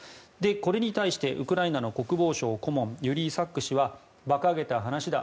これに対してウクライナの国防省顧問ユリー・サック氏はばかげた話だ。